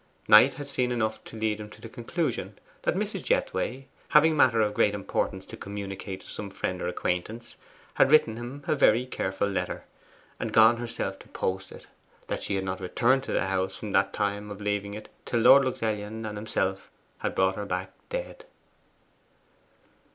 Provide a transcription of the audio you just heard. Knight had seen enough to lead him to the conclusion that Mrs. Jethway, having matter of great importance to communicate to some friend or acquaintance, had written him a very careful letter, and gone herself to post it; that she had not returned to the house from that time of leaving it till Lord Luxellian and himself had brought her back dead.